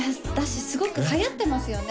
すごくはやってますよね